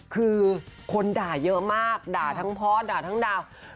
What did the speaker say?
คือคนด่าเยอะมากด่าทั้งพอร์ตด่าทั้งดาว